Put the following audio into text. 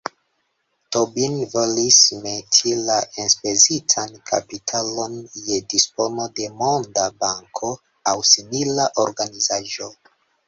Tobin volis meti la enspezitan kapitalon je dispono de Monda Banko aŭ simila organizaĵo.